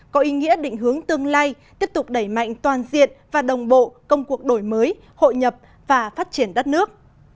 công lai tiếp tục đẩy mạnh toàn diện và đồng bộ công cuộc đổi mới hội nhập và phát triển đất nước